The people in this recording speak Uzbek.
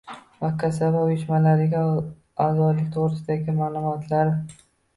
va kasaba uyushmalariga a’zolik to‘g‘risidagi ma’lumotlar